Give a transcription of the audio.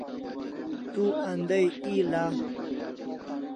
Tu andai e la